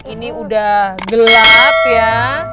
ini udah gelap ya